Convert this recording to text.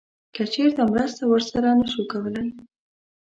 که چیرته مرسته ورسره نه شو کولی